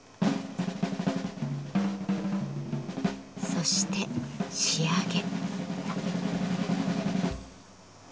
そして仕上げ。